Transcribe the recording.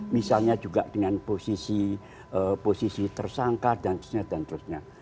misalnya juga dengan posisi tersangka dan seterusnya